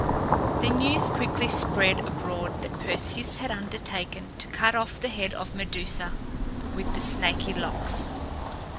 The news quickly spread abroad that Perseus had undertaken to cut off the head of Medusa with the snaky locks.